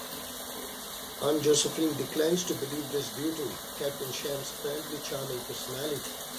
Aunt Josephine declines to believe this due to Captain Sham's apparently charming personality.